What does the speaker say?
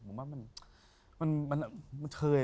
นี่ใส่เหมือนกันชัย